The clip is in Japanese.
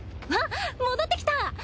あっ戻ってきた！